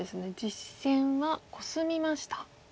実戦はコスみました。